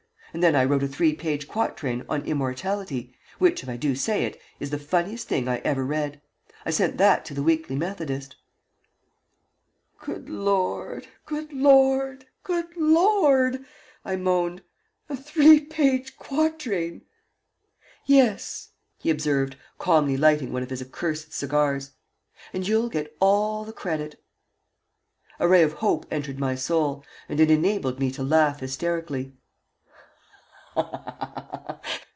And then I wrote a three page quatrain on 'Immortality,' which, if I do say it, is the funniest thing I ever read. I sent that to the Weekly Methodist." "Good Lord, good Lord, good Lord!" I moaned. "A three page quatrain!" "Yes," he observed, calmly lighting one of his accursed cigars. "And you'll get all the credit." A ray of hope entered my soul, and it enabled me to laugh hysterically.